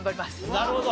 なるほど！